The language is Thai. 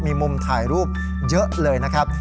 มีมุมถ่ายรูปเยอะเลยนะครับ